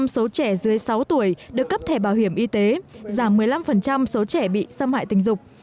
một mươi số trẻ dưới sáu tuổi được cấp thẻ bảo hiểm y tế giảm một mươi năm số trẻ bị xâm hại tình dục